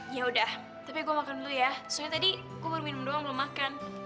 ya udah tapi gue makan dulu ya soalnya tadi gue baru minum doang belum makan